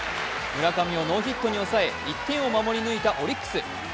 村上をノーヒットに抑え１点を守り抜いたオリックス。